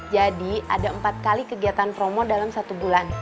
jadi ada empat kali kegiatan promo dalam satu bulan